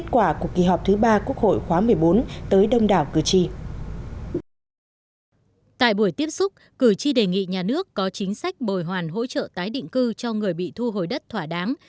tại buổi tiếp xúc cử tri đề nghị nhà nước có chính sách bồi hoàn hỗ trợ tái định cư cho người bị thu hồi đất thỏa đáng